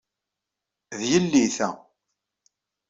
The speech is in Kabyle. D yelli, ta.